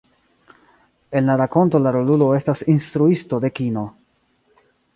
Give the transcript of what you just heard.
En la rakonto, la rolulo estas instruisto de kino.